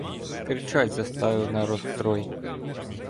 Кричать заставив на розстрой.